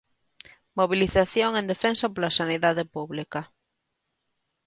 Mobilización en defensa pola sanidade pública.